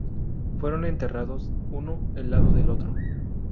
Fueron enterrados uno al lado del otro.